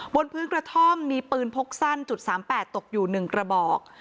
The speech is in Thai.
บนพื้นกระท่อมมีปืนพกสั้น๓๘ตกอยู่๑กระบอก